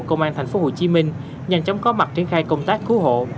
công an tp hcm nhanh chóng có mặt triển khai công tác cứu hộ